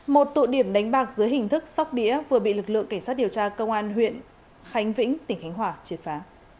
một tụ điểm đánh bạc dưới hình thức sóc đĩa vừa bị lực lượng cảnh sát điều tra công an huyện khánh vĩnh tỉnh khánh hòa triệt phá